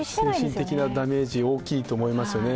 精神的なダメージ、大きいと思いますよね。